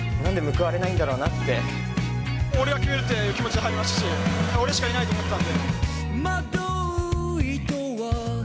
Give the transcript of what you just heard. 俺が決めるって気持ちで入りましたし俺しかいないと思ってたので。